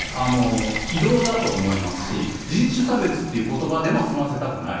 非道だと思いますし、人種差別っていうことばでも済ませたくない。